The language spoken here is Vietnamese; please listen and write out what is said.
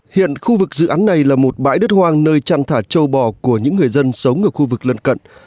hiện khu vực dự án này là một bãi đất hoang nơi trăn thả châu bò của những người dân sống ở khu vực lân cận